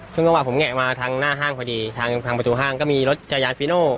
ซึ่งจังหวะผมแงะมาทางหน้าห้างพอดีทางประตูห้างก็มีรถจักรยานฟีโน่